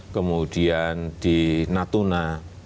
kemudian di natuna